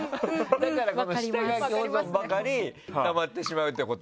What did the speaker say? だから、この下書き保存ばかりたまってしまうってこと？